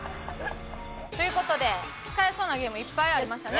という事で使えそうなゲームいっぱいありましたね。